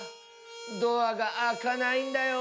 ドアがあかないんだよ。